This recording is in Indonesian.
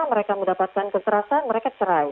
mereka mendapatkan kekerasan mereka cerai